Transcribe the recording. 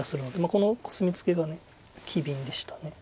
このコスミツケが機敏でした。